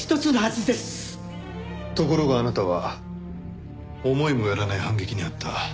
ところがあなたは思いもよらない反撃に遭った。